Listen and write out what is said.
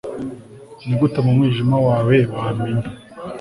nigute, mu mwijima wawe, wamenye